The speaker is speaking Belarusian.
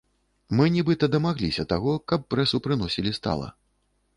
Мы нібыта дамагліся таго, каб прэсу прыносілі стала.